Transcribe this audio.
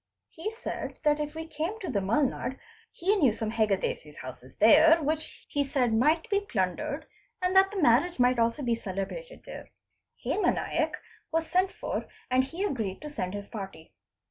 He said that if we came to the Mulnad he knew some Heggades' houses there which he said might be plundered and that the marriage might also be celebrated there. Hema Naik was sent for and he agreed to send his party.